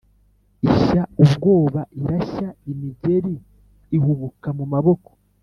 ishya ubwoba irashya imigeri, ihubuka mu maboko,